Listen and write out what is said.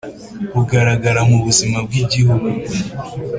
rugaragara mu buzima bw Igihugu